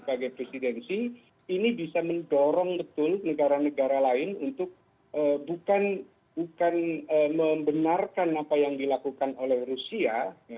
sebagai presidensi ini bisa mendorong betul negara negara lain untuk bukan membenarkan apa yang dilakukan oleh rusia